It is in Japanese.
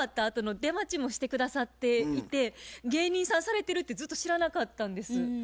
あとの出待ちもして下さっていて芸人さんされてるってずっと知らなかったんです。